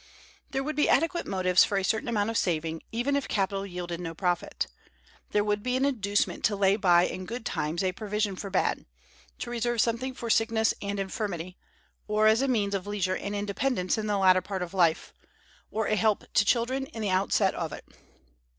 There would be adequate motives for a certain amount of saving, even if capital yielded no profit. There would be an inducement to lay by in good times a provision for bad; to reserve something for sickness and infirmity, or as a means of leisure and independence in the latter part of life, or a help to children in the outset of it.